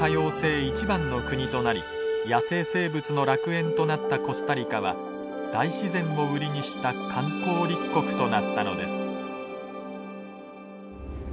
一番の国となり野生生物の楽園となったコスタリカは大自然を売りにした観光立国となったのです。